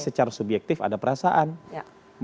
secara subjektif ada perasaan